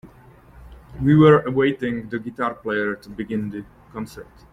We were awaiting the guitar player to begin the concert.